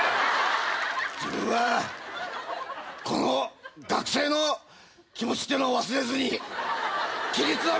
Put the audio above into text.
自分はこの学生の気持ちってのを忘れずに規律を守り頑張ります！